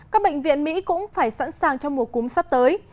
các bệnh viện mỹ cũng phải sẵn sàng cho mùa cúm sắp tới